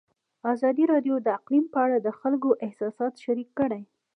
ازادي راډیو د اقلیم په اړه د خلکو احساسات شریک کړي.